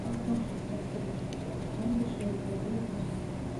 შემდგომში, საზღვრების ჩაკეტვის გამო, ეს შეუძლებელი გახდა.